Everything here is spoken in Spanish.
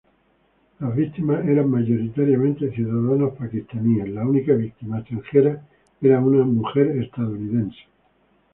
Las víctimas eran mayoritariamente ciudadanos pakistaníes, la única víctima extranjera era una mujer estadounidense.